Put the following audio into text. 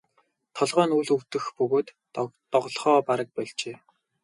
Толгой нь үл өвдөх бөгөөд доголохоо бараг больжээ.